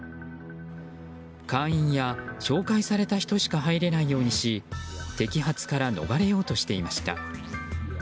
会員や、紹介された人しか入れないようにし摘発から逃れようとしていました。